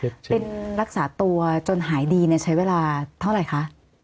เป็นรักษาตัวจนหายดีใช้เวลาเท่าไหร่คะ